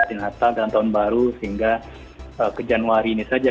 di natal dan tahun baru sehingga ke januari ini saja